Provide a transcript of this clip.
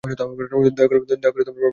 দয়া করে ভেবে দেখবেন বিষয়টা।